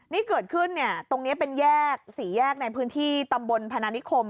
นี่เกิดขึ้นเนี่ยตรงนี้เป็นแยกสี่แยกในพื้นที่ตำบลพนานิคม